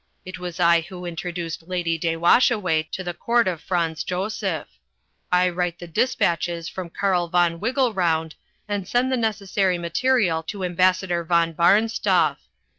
It was I who introduced Lady de Washaway to the Court of Franz Joseph. I write the despatches from Karl von Wiggleround, and send the necessary material to Ambassador von Barnstuff.